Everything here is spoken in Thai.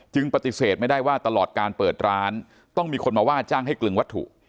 ปฏิเสธไม่ได้ว่าตลอดการเปิดร้านต้องมีคนมาว่าจ้างให้กลึงวัตถุ